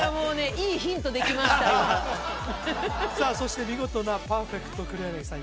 今さあそして見事なパーフェクト黒柳さん